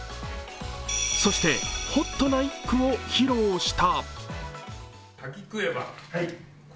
そして、ＨＯＴな一句を披露した。